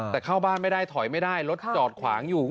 แต่เข้าบ้านไม่ได้ถอยไม่ได้รถจอดขวางอยู่